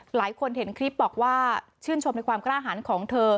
หลายคนเห็นคลิปบอกว่าชื่นชมในความกล้าหารของเธอ